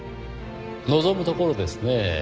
望むところですねぇ。